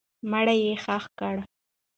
مړی یې ښخ کړه.